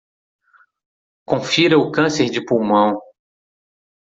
Confira o câncer de pulmão